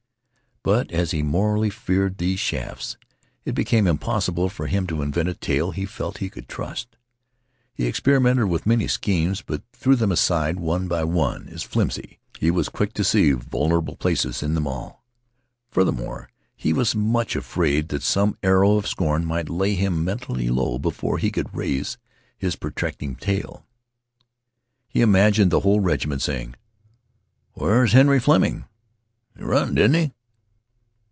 But, as he mortally feared these shafts, it became impossible for him to invent a tale he felt he could trust. He experimented with many schemes, but threw them aside one by one as flimsy. He was quick to see vulnerable places in them all. Furthermore, he was much afraid that some arrow of scorn might lay him mentally low before he could raise his protecting tale. He imagined the whole regiment saying: "Where's Henry Fleming? He run, didn't 'e?